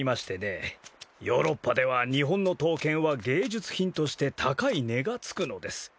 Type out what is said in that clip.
ヨーロッパでは日本の刀剣は芸術品として高い値がつくのです。